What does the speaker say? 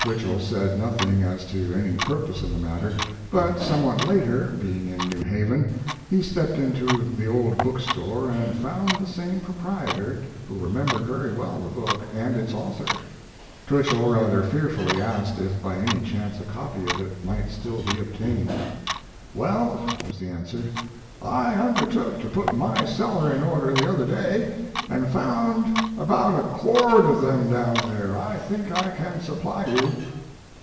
Twichell said nothing as to any purpose in the matter; but somewhat later, being in New Haven, he stepped into the old book store and found the same proprietor, who remembered very well the book and its author. Twichell rather fearfully asked if by any chance a copy of it might still be obtained. "Well," was the answer, "I undertook to put my cellar in order the other day, and found about a cord of them down there. I think I can supply you."